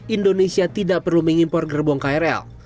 indonesia tidak perlu mengimpor gerbong krl